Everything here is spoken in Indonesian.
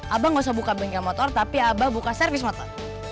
abang nggak usah buka bengkel motor tapi abah buka servis motor